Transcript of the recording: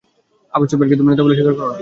আবু সুফিয়ানকে তুমি নেতা বলে স্বীকার কর না?